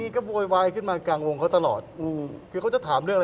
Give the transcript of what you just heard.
ก็โวยไวขึ้นมากลางงงเท่าขอตลอด